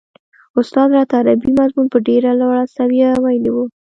استاد راته عربي مضمون په ډېره لوړه سويه ويلی و.